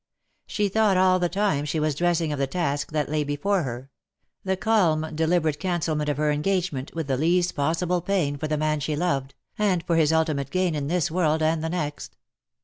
She thought all the time she was dressing of the task that lay before her — the calm deliberate can celment of her engagement, with the least possible pain for the man she loved, and for his ultimate gain in this world and the next.